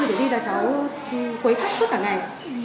thì đi ra cháu quấy khắp tất cả ngày